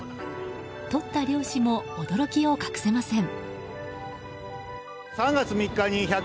とった漁師も驚きを隠せません。